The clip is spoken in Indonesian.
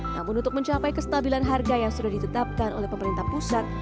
namun untuk mencapai kestabilan harga yang sudah ditetapkan oleh pemerintah pusat